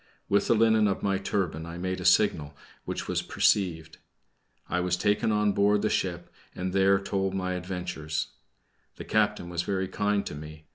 With the linen of my turban I made a signal, which was perceived. I was taken on board the ship and there told my adventures. The captain was very kind to me.